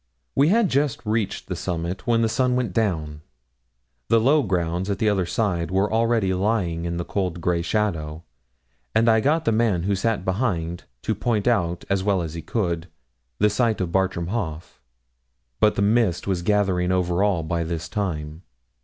We had just reached the summit when the sun went down. The low grounds at the other side were already lying in cold grey shadow, and I got the man who sat behind to point out as well as he could the site of Bartram Haugh. But mist was gathering over all by this time.